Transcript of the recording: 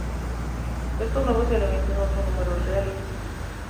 Estos nuevos elementos no son números reales.